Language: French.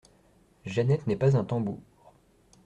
Jeannette n’est pas un tambour.